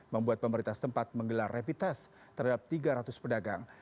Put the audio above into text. membuat pemerintah tempat menggelar repitest terhadap tiga ratus pedagang